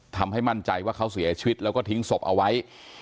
ทำให้มั่นใจว่าเขาเสียชีวิตแล้วก็ทิ้งศพเอาไว้